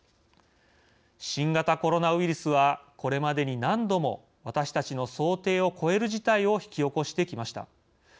新型コロナウイルスはこれまでに何度も私たちの想定を超える事態を引き起こしてきました。